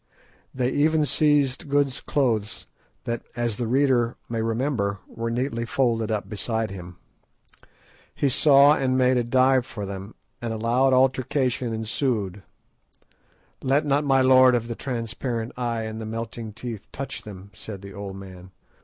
They even seized Good's clothes, that, as the reader may remember, were neatly folded up beside him. He saw and made a dive for them, and a loud altercation ensued. "Let not my lord of the transparent Eye and the melting Teeth touch them," said the old man.